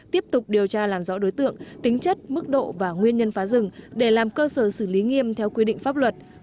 tiếp tục điều tra làm rõ đối tượng tính chất mức độ và nguyên nhân phá rừng để làm cơ sở xử lý nghiêm theo quy định pháp luật